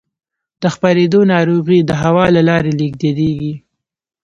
د خپرېدو ناروغۍ د هوا له لارې لېږدېږي.